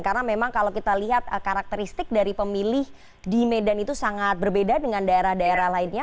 karena memang kalau kita lihat karakteristik dari pemilih di medan itu sangat berbeda dengan daerah daerah lainnya